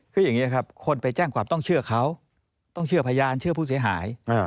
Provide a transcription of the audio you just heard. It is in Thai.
คืออย่างนี้ครับคนไปแจ้งความต้องเชื่อเขาต้องเชื่อพยานเชื่อผู้เสียหาย